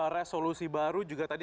resolusi baru juga tadi